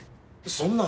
そんな。